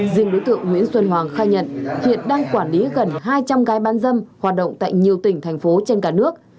riêng đối tượng nguyễn xuân hoàng khai nhận hiện đang quản lý gần hai trăm linh gái bán dâm hoạt động tại nhiều tỉnh thành phố trên cả nước